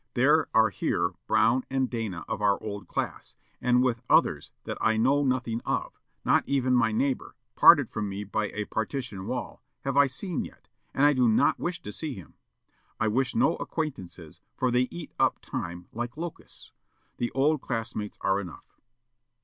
There are here Browne and Dana of our old class, with others that I know nothing of, not even my neighbor, parted from me by a partition wall, have I seen yet, and I do not wish to see him. I wish no acquaintances, for they eat up time like locusts. The old class mates are enough."